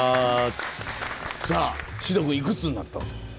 さぁ獅童君いくつになったんすか？